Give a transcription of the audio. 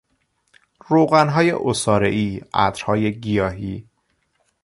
روغنهای عصارهای، عطرهای گیاهی